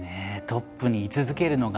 トップに居続けるのが。